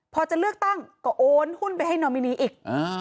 พอจะเลือกตั้งก็โอนหุ้นไปให้นอมินีอีก